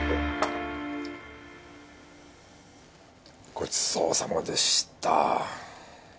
ごちそうさまでした。